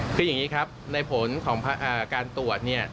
คืออย่างนี้ครับในผลของการตรวจเนี่ย